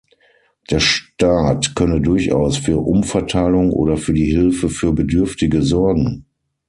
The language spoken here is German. Der Staat könne durchaus für Umverteilung oder für die Hilfe für Bedürftige sorgen.